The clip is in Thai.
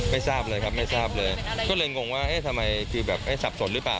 ไม่ทราบเลยครับไม่ทราบเลยก็เลยงงว่าเอ๊ะทำไมคือแบบสับสนหรือเปล่า